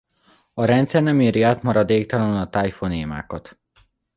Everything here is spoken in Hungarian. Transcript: A rendszer nem írja át maradéktalanul a thai fonémákat.